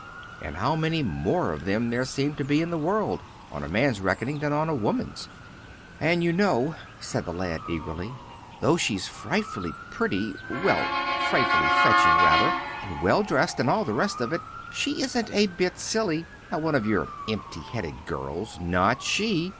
and how many more of them there seemed to be in the world, on a man's reckoning, than on a woman's! "And you know," said the lad, eagerly, "though she's so frightfully pretty well, frightfully fetching, rather and well dressed and all the rest of it, she isn't a bit silly, not one of your empty headed girls not she.